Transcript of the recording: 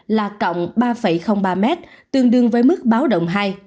là cộng ba ba m tương đương với mức báo động hai